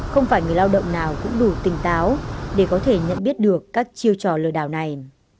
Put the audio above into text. không phải người lao động nào cũng đủ tỉnh táo để có thể nhận biết được các chiêu trò lừa đảo này